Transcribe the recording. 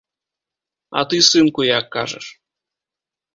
А ты, сынку, як кажаш?